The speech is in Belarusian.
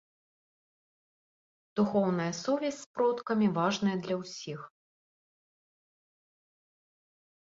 Духоўная сувязь з продкамі важная для ўсіх.